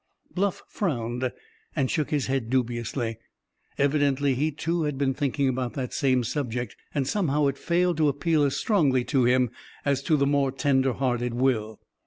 Bluff frowned, and shook his head dubiously. Evidently he too had been thinking about that same subject; and somehow it failed to appeal as strongly to him as to the more tender hearted Will.